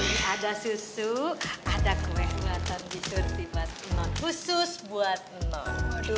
ini ada susu ada kue buatan bisur khusus buat non